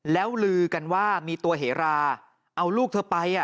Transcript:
แล้วลือกันว่ามีตัวเหราเอาลูกเธอไป